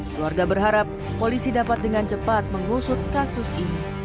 keluarga berharap polisi dapat dengan cepat mengusut kasus ini